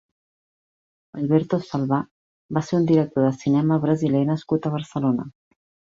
Alberto Salvá va ser un director de cinema brasiler nascut a Barcelona.